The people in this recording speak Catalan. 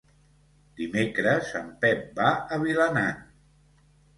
Dimecres en Pep va a Vilanant.